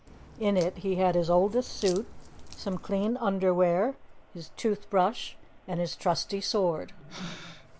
In it he had his oldest suit, some clean underwear, his tooth brush and his trusty sword.